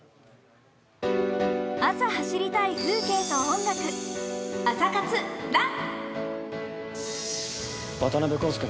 朝走りたい風景と音楽、「朝活ＲＵＮ」。